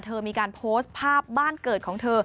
เธอมีการโพสต์ภาพบ้านเกิดของเธอ